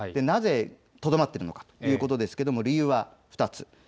なぜ、とどまっているのかということですが、理由は２つ。